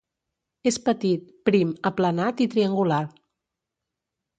És petit, prim, aplanat i triangular.